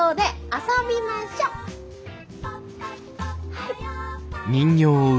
はい。